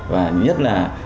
và nhất là